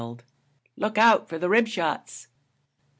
'Look out for the rib shots.'